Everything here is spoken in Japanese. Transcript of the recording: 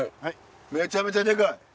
めちゃめちゃでかい。